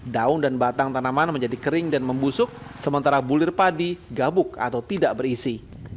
daun dan batang tanaman menjadi kering dan membusuk sementara bulir padi gabuk atau tidak berisi